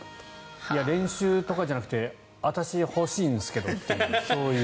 練習とかじゃなくて私、欲しいんですけどというそういう。